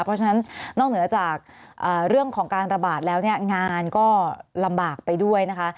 เพราะฉะนั้นนอกเหนือจากเรื่องของการระบาดแล้วเนี่ยงานก็ลำบากไปด้วยนะคะ